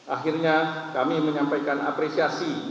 akhirnya kami menyampaikan apresiasi